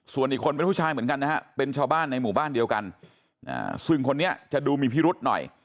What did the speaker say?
ส่วนอีกคนเป็นผู้ชายเหมือนกันนะฮะเป็นชาวบ้านในหมู่บ้านเดียวกันซึ่งคนนี้จะดูมีพิรุษหน่อย